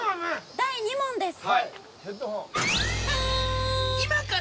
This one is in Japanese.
第２問です。